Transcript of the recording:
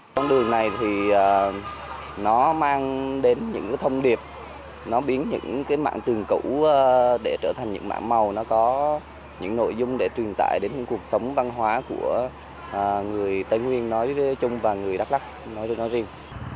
con đường này thì nó mang đến những thông điệp nó biến những mạng tường cũ để trở thành những mạng màu nó có những nội dung để truyền tải đến cuộc sống văn hóa của người tây nguyên nói với chung và người đắk lắc nói với nó riêng